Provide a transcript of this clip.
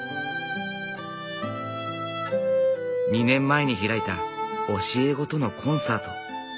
２年前に開いた教え子とのコンサート。